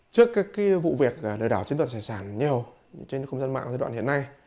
trước các vụ việc lừa đảo chiếm đoạt tài sản nhiều trên không gian mạng giai đoạn hiện nay